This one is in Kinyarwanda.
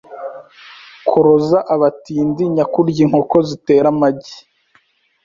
koroza abatindi nyakurya inkoko zitera amagi,